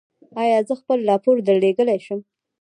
ایا زه خپل راپور درلیږلی شم؟